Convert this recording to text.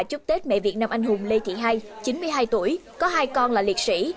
chúc tết mẹ việt nam anh hùng lê thị hai chín mươi hai tuổi có hai con là liệt sĩ